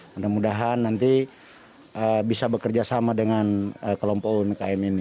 mudah mudahan nanti bisa bekerjasama dengan kelompok umkm ini